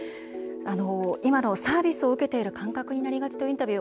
今のサービスを受けている感覚になりがちというインタビュー